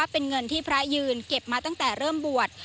เป็นเงินที่พระยืนเก็บมาตั้งแต่เริ่มบวช